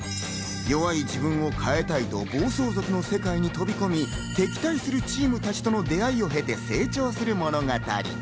弱い自分を変えたいと暴走族の世界に飛び込み、敵対するチームたちとの出会いを経て成長する物語。